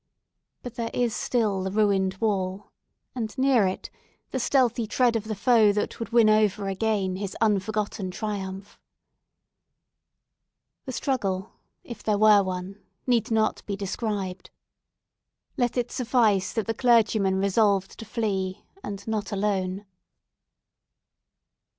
But there is still the ruined wall, and near it the stealthy tread of the foe that would win over again his unforgotten triumph. The struggle, if there were one, need not be described. Let it suffice that the clergyman resolved to flee, and not alone.